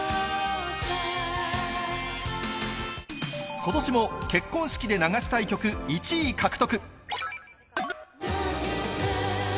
ことしも結婚式で流したい曲１位獲得。